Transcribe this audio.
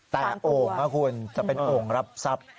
แต่โอ่งนะคุณจะเป็นโอ่งรับทรัพย์